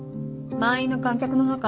⁉満員の観客の中